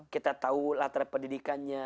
kita tahu latar pendidikannya